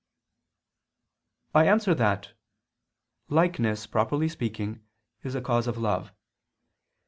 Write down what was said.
I answer that, Likeness, properly speaking, is a cause of love.